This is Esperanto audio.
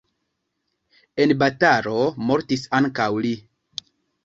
En batalo mortis ankaŭ li.